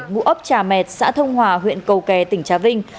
ngũ ấp trà mẹt xã thông hòa huyện cầu kè tỉnh trà vinh